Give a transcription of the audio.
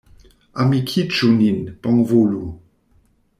Amikiĝu nin, bonvolu!